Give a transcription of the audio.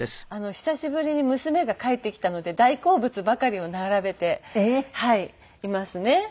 久しぶりに娘が帰ってきたので大好物ばかりを並べていますね。